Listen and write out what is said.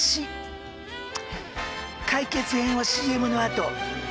解決編はＣＭのあと。